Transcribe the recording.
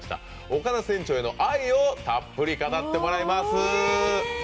岡田船長への愛をたっぷり語ってもらいます。